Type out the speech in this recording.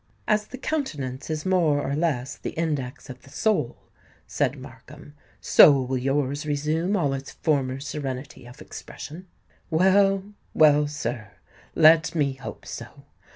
"As the countenance is more or less the index of the soul," said Markham, "so will yours resume all its former serenity of expression." "Well—well, sir: let me hope so!